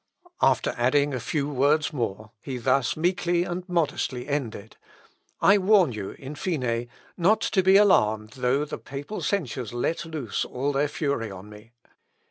After adding a few words more, he thus meekly and modestly ended: "I warn you, in fine, not to be alarmed though the papal censures let loose all their fury on me.